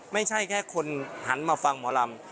ไม่ใช่แค่คนหันมาฟังหมอลำ